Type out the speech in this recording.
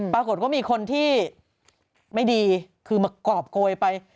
ปรากฏว่ามีคนที่ไม่ดีคือมากรอบโกยไป